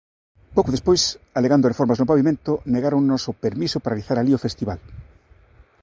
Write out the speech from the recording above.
Pouco despois, alegando reformas no pavimento, negáronnos o permiso para realizar alí o festival.